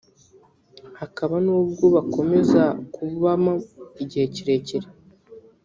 hakaba nubwo bakomeza kububamo igihe kirekire